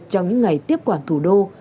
trong những ngày tiếp quản thủ đô